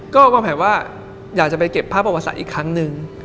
ก็วางแผนว่าอยากจะไปเก็บภาพประวัติศาสตร์อีกครั้งหนึ่ง